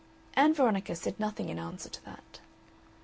Ann Veronica said nothing in answer to that.